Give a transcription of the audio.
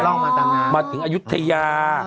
ล่องมาต่างน้ำ